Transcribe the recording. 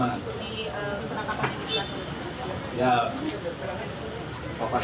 kalau itu di gang sempit